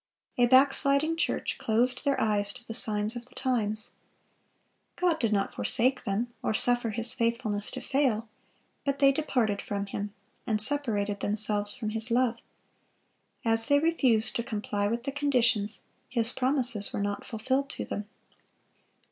A backsliding church closed their eyes to the signs of the times. God did not forsake them, or suffer His faithfulness to fail; but they departed from Him, and separated themselves from His love. As they refused to comply with the conditions, His promises were not fulfilled to them.